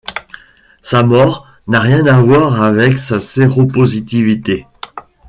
Sa mort n'a rien à voir avec sa séropositivité.